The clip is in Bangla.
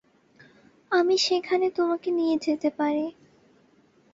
আমি সেখানে তোমাকে নিয়ে যেতে পারি।